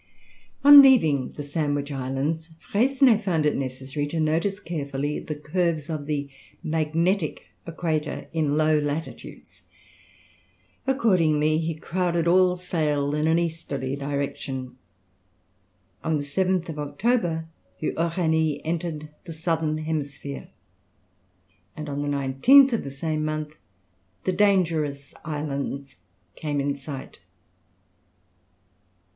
On leaving the Sandwich Islands, Freycinet found it necessary to notice carefully the curves of the magnetic equator in low latitudes. Accordingly, he crowded all sail in an easterly direction. On the 7th October the Uranie entered the southern hemisphere, and on the 19th of the same month the Dangerous Islands came in sight.